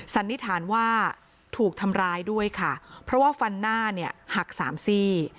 สันนิษฐานว่าถูกทำร้ายด้วยค่ะเพราะว่าฟันหน้าเนี่ยหักสามซี่